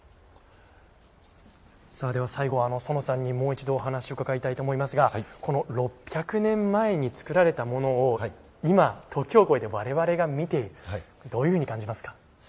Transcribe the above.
では、最後に爾さんにもう一度お話を伺いたいと思いますがこの６００年前に造られたものを今、時を超えて我々が見ているどういうふうに感じますか。